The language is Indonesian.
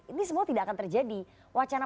ini semua tidak akan terjadi wacana